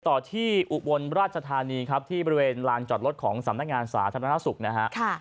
ต่อที่อุบลราชธานีครับที่บริเวณลานจอดรถของสำนักงานสาธารณสุขนะฮะ